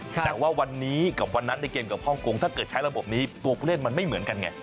แต่ว่าวันนี้กับวันนั้นในเกมกับฮ่องกงถ้าเกิดใช้ระบบนี้ตัวผู้เล่นมันไม่เหมือนกันไง